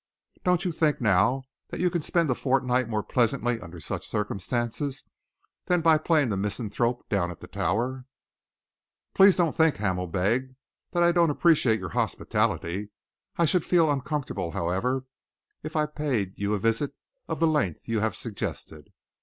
Don't you think, now, that you can spend a fortnight more pleasantly under such circumstances than by playing the misanthrope down at the Tower?" "Please don't think," Hamel begged, "that I don't appreciate your hospitality. I should feel uncomfortable, however, if I paid you a visit of the length you have suggested.